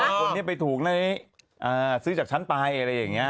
อ๋อคนเนี้ยไปถูกในอ่าซื้อจากชั้นปลายอะไรอย่างเงี้ย